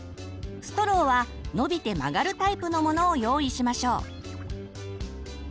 ストローは伸びて曲がるタイプのものを用意しましょう。